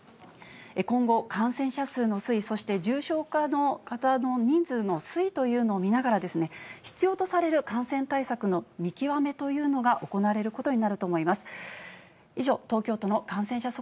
今後、感染者数の推移、そして重症化の方の人数の推移というのを見ながらですね、必要とされる感染対策の見極めというのが行われることになると思います。